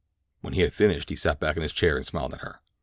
When he had finished he sat back in his chair and smiled at her.